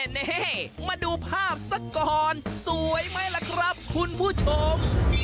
นี่มาดูภาพสักก่อนสวยไหมล่ะครับคุณผู้ชม